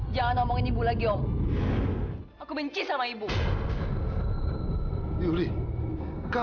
gara gara dia yuli lahir ke dunia